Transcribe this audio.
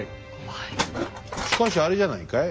しかしあれじゃないかい？